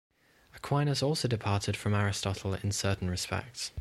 Aquinas also departed from Aristotle in certain respects.